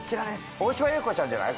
大島優子ちゃんじゃない？